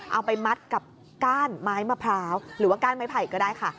เอาไปมัดกับก้านไม้มะพร้าวหรือว่าก้านไม้ไผ่ก็ได้ค่ะ